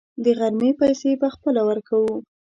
د غرمې پیسې به خپله ورکوو.